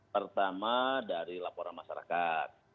pertama dari laporan masyarakat